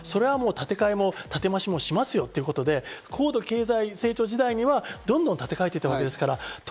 お金さえ回っていれば、建て替えも建て増しもしますよということで高度経済成長時代にはどんどん建て替えていたわけですから。